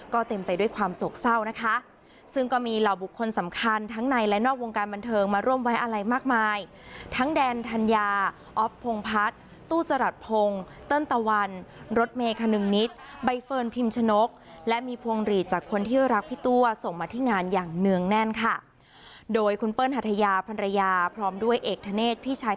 ก็เต็มไปด้วยความโศกเศร้านะคะซึ่งก็มีเหล่าบุคคลสำคัญทั้งในและนอกวงการบันเทิงมาร่วมไว้อะไรมากมายทั้งแดนธัญญาออฟพงพัฒน์ตู้สลัดพงศ์เติ้ลตะวันรถเมย์คนึงนิดใบเฟิร์นพิมชนกและมีพวงหลีดจากคนที่รักพี่ตัวส่งมาที่งานอย่างเนื่องแน่นค่ะโดยคุณเปิ้ลหัทยาพันรยาพร้อมด้วยเอก